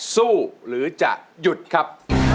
สู้หรือจะหยุดครับ